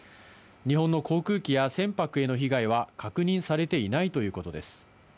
日本の航空機や船舶への被害は確認されていないということです。